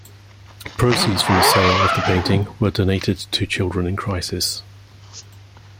Proceeds from the sale of the painting were donated to Children in Crisis.